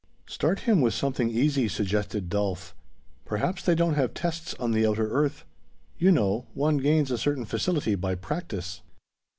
"Start him with something easy," suggested Dolf. "Perhaps they don't have tests on the outer earth. You know, one gains a certain facility by practice."